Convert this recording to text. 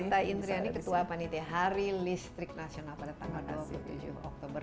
yang usita intriani ketua panitia hari listrik nasional pada tanggal dua puluh tujuh oktober